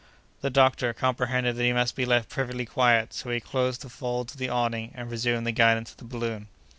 The doctor comprehended that he must be left perfectly quiet; so he closed the folds of the awning and resumed the guidance of the balloon.